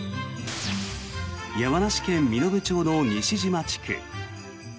山梨県身延町の西嶋地区。